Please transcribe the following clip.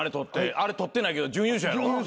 あれ取ってないけど準優勝やろ？